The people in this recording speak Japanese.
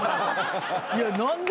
いや何で？